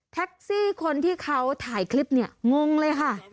แท็กซี่คนที่เขาถ่ายคลิปเนี่ยงงเลยค่ะ